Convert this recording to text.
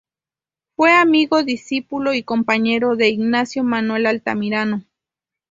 Fue amigo, discípulo y compañero de Ignacio Manuel Altamirano.